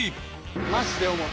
マジで重い。